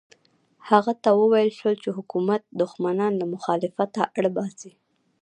هغه ته وویل شول چې حکومت دښمنان له مخالفته اړ باسي.